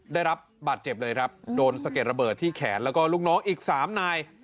ได้รับบาดเจ็บเลยครับโดนสะเก็ดระเบิดที่แขนแล้วก็ลูกน้องอีกสามนาย